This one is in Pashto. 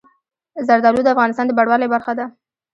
زردالو د افغانستان د بڼوالۍ برخه ده.